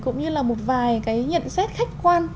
cũng như là một vài cái nhận xét khách quan